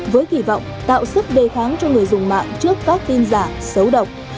với kỳ vọng tạo sức đề kháng cho người dùng mạng trước các tin giả xấu độc